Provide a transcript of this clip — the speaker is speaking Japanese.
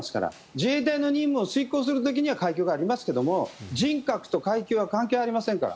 自衛隊の任務を遂行する時には階級がありますが人格と階級は関係ありませんから。